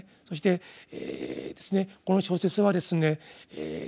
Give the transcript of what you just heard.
そしてこの小説はですね